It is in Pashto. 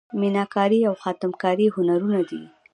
میناکاري او خاتم کاري هنرونه دي.